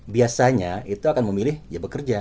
biasanya itu akan memilih ya bekerja